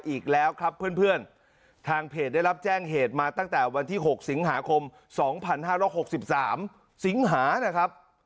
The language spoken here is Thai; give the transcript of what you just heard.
อีกแล้วครับเพื่อนทางเพจได้รับแจ้งเหตุมาตั้งแต่วันที่๖สิงหาคม๒๕๖๓สิงหานะครับ